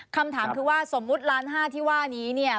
คำถามคือว่าสมมุติล้านห้าที่ว่านี้เนี่ย